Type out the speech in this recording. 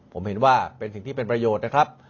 ผมเห็นว่าเป็นสิ่งที่เป็นประโยชน์นะครับ